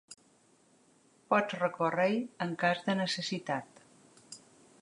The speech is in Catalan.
Pots recórrer-hi en cas de necessitat.